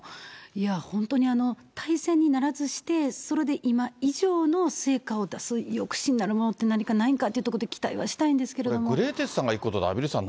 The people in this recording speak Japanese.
いや、本当に大戦にならずして、それで今以上の成果を出す抑止になるものって何かないんかっていうところで、期待はしたいんですけど。